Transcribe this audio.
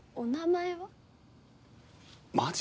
マジ？